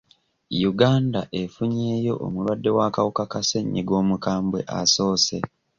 Uganda efunyeyo omulwadde w'akawuka ka ssenyiga omukambwe asoose.